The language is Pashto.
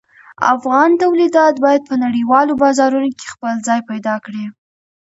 افغان تولیدات باید په نړیوالو بازارونو کې خپل ځای پیدا کړي.